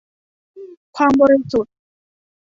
ความบริสุทธิ์